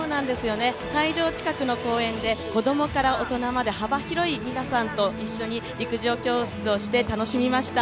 会場近くの公園で子供から大人まで幅広い皆さんと一緒に一緒に陸上教室をして楽しみました。